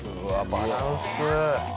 バランス。